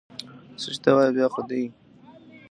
چې ته وایې، بیا خو دي!